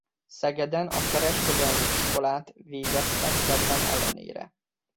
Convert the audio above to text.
Szegeden a kereskedelmi iskolát végeztem kedvem ellenére.